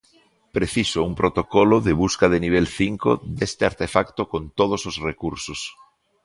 Preciso un protocolo de busca de nivel cinco deste artefacto con todos os recursos.